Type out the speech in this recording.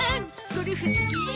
ゴルフ好き？